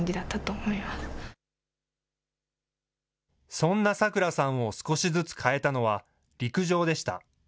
そんな咲来さんを少しずつ変えたのは陸上でした。